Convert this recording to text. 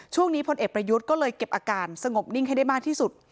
พลเอกประยุทธ์ก็เลยเก็บอาการสงบนิ่งให้ได้มากที่สุด